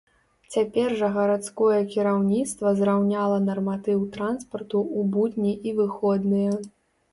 Цяпер жа гарадское кіраўніцтва зраўняла нарматыў транспарту ў будні і выходныя.